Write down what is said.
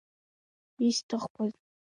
Исҭахқәаз…